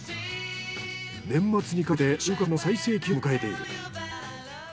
年末にかけて収穫の最盛期を迎えている。